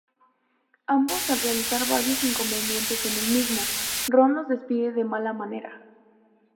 Ambos al realizar varios inconvenientes en el mismo, Ron los despide de mala manera.